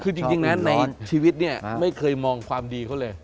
คือจริงนะในชีวิตเนี่ยไม่เคยมองความดีเขาเลย